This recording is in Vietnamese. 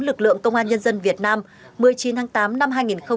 lực lượng công an nhân dân việt nam một mươi chín tháng tám năm hai nghìn hai mươi ba